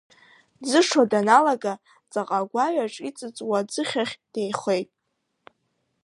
Дӡышо даналага, ҵаҟа агәаҩаҿ иҵыҵуа аӡыхьахь деихеит…